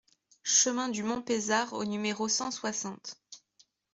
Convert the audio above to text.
Chemin du Mont Pezard au numéro cent soixante